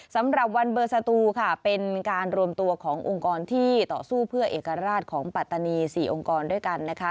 สำหรับวันเบอร์สตูค่ะเป็นการรวมตัวขององค์กรที่ต่อสู้เพื่อเอกราชของปัตตานี๔องค์กรด้วยกันนะคะ